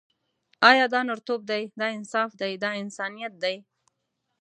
آیا دا نرتوب دی، دا انصاف دی، دا انسانیت دی.